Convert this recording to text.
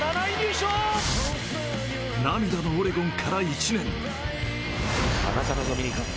涙のオレゴンから１年。